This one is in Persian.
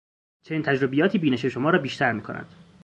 چنین تجربیاتی بینش شما را بیشتر میکند.